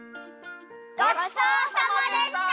ごちそうさまでした！